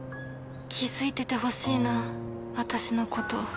気付いててほしいな、私のこと。